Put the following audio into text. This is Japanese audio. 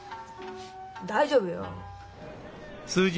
大丈夫よ。